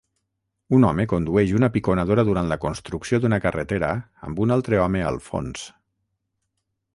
Un home condueix una piconadora durant la construcció d'una carretera amb un altre home al fons.